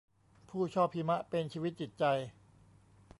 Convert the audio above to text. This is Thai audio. ผู้ชอบหิมะเป็นชีวิตจิตใจ